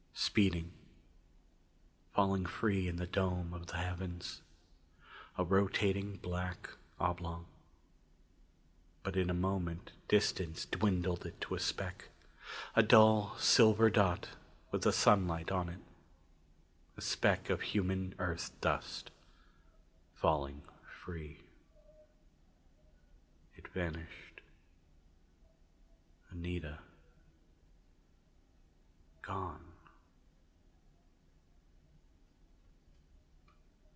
Speeding. Falling free in the dome of the heavens. A rotating black oblong. But in a moment distance dwindled it to a speck. A dull silver dot with the sunlight on it. A speck of human Earth dust, falling free.... It vanished. Anita gone.